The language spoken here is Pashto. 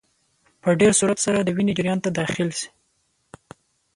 په ډېر سرعت سره د وینې جریان ته داخل شي.